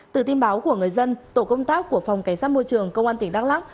từ tin báo của người dân tổ công tác của phòng cảnh sát môi trường công an tỉnh đắk lắc